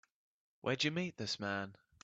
Where'd you meet this man?